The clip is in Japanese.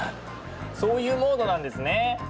そういうモードなんですね。